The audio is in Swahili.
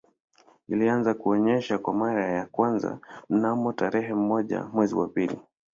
Ilianza kuonesha kwa mara ya kwanza mnamo tarehe moja mwezi wa pili